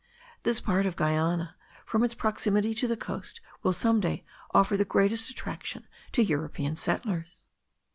This part of Guiana, from its proximity to the coast, will some day offer the greatest attraction to European settlers.